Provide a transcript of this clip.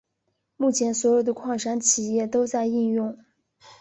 目前所有的矿山企业都在应用。